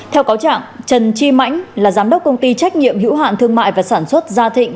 theo cáo trạng trần chi mãnh là giám đốc công ty trách nhiệm hữu hạn thương mại và sản xuất gia thịnh